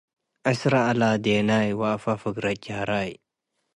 ዕስረ አላዴናይ ወአፈ ፍግረት ጃህራይ